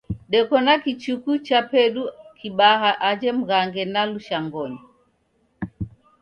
Deko na kichuku chapedu kibaha aja Mghange na Lushangonyi.